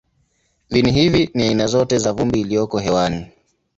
Viini hivi ni aina zote za vumbi iliyoko hewani.